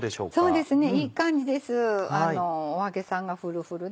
そうですね。